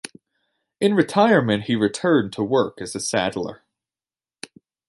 In retirement, he returned to work as a saddler.